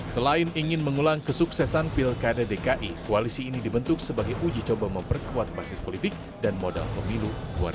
selain ingin mengulang kesuksesan pilkada dki koalisi ini dibentuk sebagai uji coba memperkuat basis politik dan modal pemilu dua ribu sembilan belas